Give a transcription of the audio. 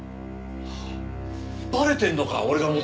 バレてんのか俺が持ってるの。